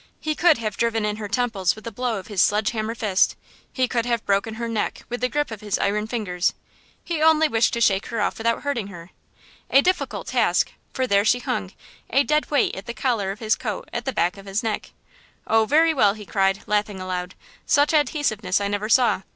He could have driven in her temples with a blow of his sledge hammer fist; he could have broken her neck with the grip of his iron fingers; he only wished to shake her off without hurting her–a difficult task, for there she hung, a dead weight, at the collar of his coat at the back of his neck. "Oh, very well!" he cried, laughing aloud! "Such adhesiveness I never saw!